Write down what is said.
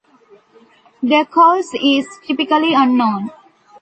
The cause is typically unknown.